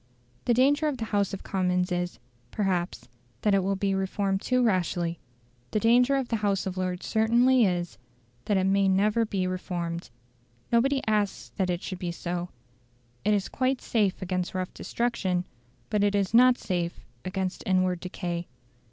The danger of the House of Commons is, perhaps, that it will be reformed too rashly; the danger of the House of Lords certainly is, that it may never be reformed. Nobody asks that it should be so; it is quite safe against rough destruction, but it is not safe against inward decay.